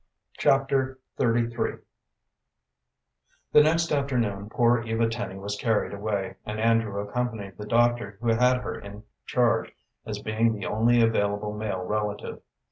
Chapter XXXIII The next afternoon poor Eva Tenny was carried away, and Andrew accompanied the doctor who had her in charge, as being the only available male relative.